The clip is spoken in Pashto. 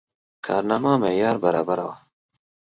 کارنامه معیار برابره وه.